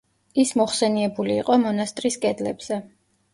ის მოხსენიებული იყო მონასტრის კედლებზე.